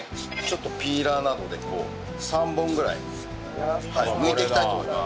ピーラーなどで３本ぐらい剥いていきたいと思います。